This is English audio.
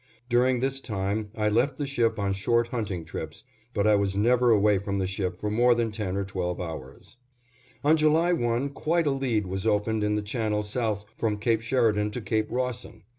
During this time I left the ship on short hunting trips, but I was never away from the ship for more than ten or twelve hours. On July 1 quite a lead was opened in the channel south from Cape Sheridan to Cape Rawson.